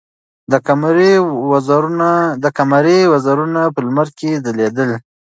د قمرۍ وزرونه په لمر کې ځلېدل.